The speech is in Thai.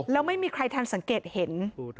แล้วไม่มีใครทันสังเกตเห็น